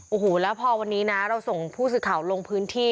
โอ้โหแล้วพอวันนี้นะเราส่งผู้สื่อข่าวลงพื้นที่